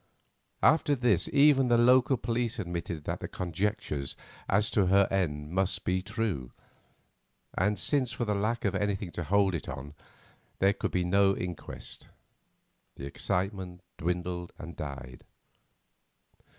After this even the local police admitted that the conjectures as to her end must be true, and, since for the lack of anything to hold it on there could be no inquest, the excitement dwindled and died.